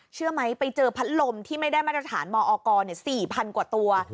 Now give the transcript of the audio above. เชื่อไหมไปเจอพัดลมที่ไม่ได้มาตรฐานมอก๔๐๐๐กว่าตัว